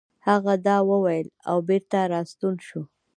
هغه دا وويل او بېرته راستون شو.